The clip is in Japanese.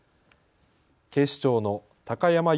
警視庁の高山祐輔